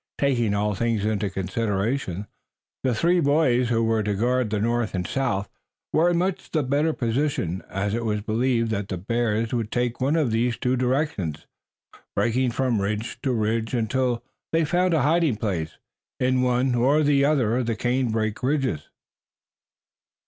Taking all things into consideration the three boys who were to guard the north and south were in much the better positions, as it was believed that the bears would take one of these two directions, breaking from ridge to ridge until they found a hiding place in one or the other of the canebrake ridges.